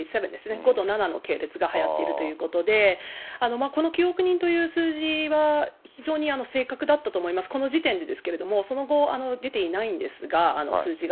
５と７の系列がはやっているということで、この９億人という数字は、非常に正確だったと思います、この時点でですけれども、その後、出ていないんですが、数字が。